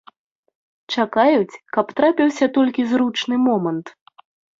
Чакаюць, каб трапіўся толькі зручны момант.